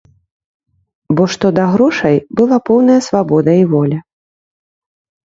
Бо, што да грошай, была поўная свабода і воля.